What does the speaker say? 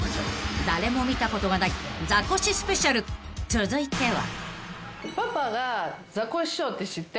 ［続いては］